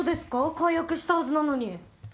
解約したはずなのに。